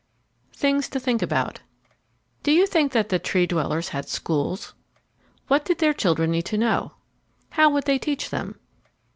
THINGS TO THINK ABOUT Do you think that the Tree dwellers had schools? What did their children need to know? How would they teach them?